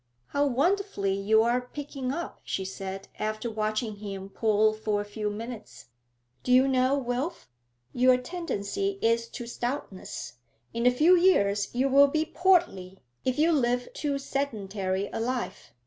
'How wonderfully you are picking up,' she said, after watching him pull for a few minutes. 'Do you know, Wilf, your tendency is to stoutness; in a few years you will be portly, if you live too sedentary a life.'